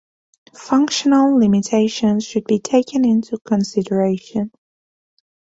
Functional limitations should be taken into consideration.